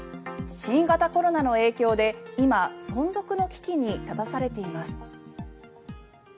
新型コロナの影響で今、存続の危機に立たされています。